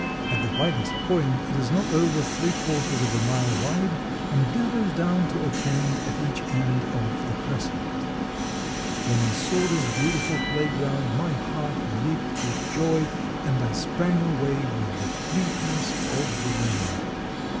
At the widest point it is not over three quarters of a mile wide and narrows down to a point at each end of the crescent. When I saw this beautiful playground my heart leaped with joy, and I sprang away with the fleetness of the wind.